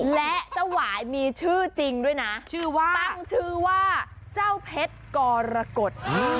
และเจ้าหวายมีชื่อจริงด้วยนะชื่อว่าตั้งชื่อว่าเจ้าเพชรกรกฎ